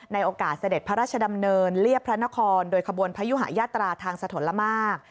โอกาสเสด็จพระราชดำเนินเรียบพระนครโดยขบวนพยุหายาตราทางสถนละมาก